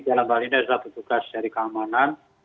dalam hal ini adalah petugas dari keamanan